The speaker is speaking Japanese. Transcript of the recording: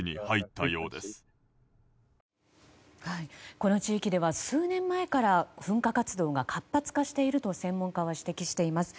この地域では数年前から噴火活動が活発化していると専門家は指摘しています。